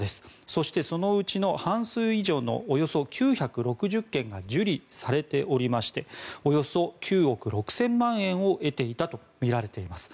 そして、そのうちの半数以上のおよそ９６０件が受理されておりましておよそ９億６０００万円を得ていたとみられています。